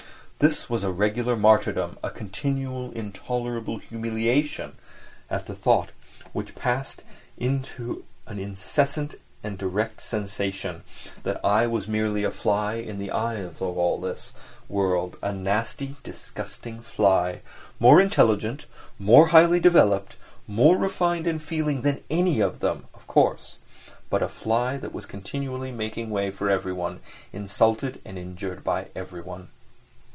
This was a regular martyrdom, a continual, intolerable humiliation at the thought, which passed into an incessant and direct sensation, that I was a mere fly in the eyes of all this world, a nasty, disgusting fly—more intelligent, more highly developed, more refined in feeling than any of them, of course—but a fly that was continually making way for everyone, insulted and injured by everyone.